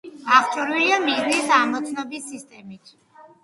აღჭურვილია მიზნის ამოცნობის სისტემით.